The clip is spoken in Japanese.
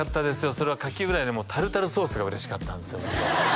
それはカキフライよりもタルタルソースが嬉しかったんですよね